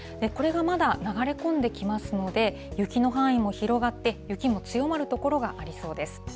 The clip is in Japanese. これがまだ流れ込んできますので、雪の範囲も広がって、雪も強まる所がありそうです。